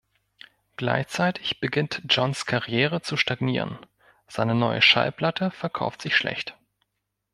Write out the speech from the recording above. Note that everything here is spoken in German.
Gleichzeitig beginnt Johns Karriere zu stagnieren; seine neue Schallplatte verkauft sich schlecht.